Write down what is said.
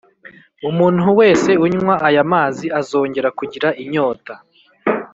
“Umuntu wese unywa aya mazi azongera kugira inyota